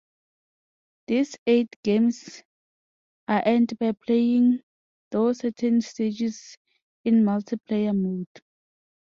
These eight games are earned by playing though certain stages in multiplayer mode.